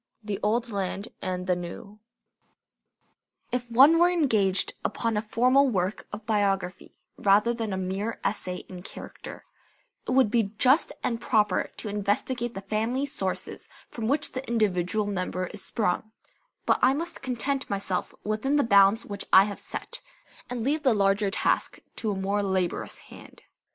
The Old Land and the New If one were engaged upon a formal work of biography rather than a mere essay in character, it would be just and proper to investigate the family sources from which the individual member is sprung; but I must content myself within the bounds which I have set, and leave the larger task to a more laborious hand.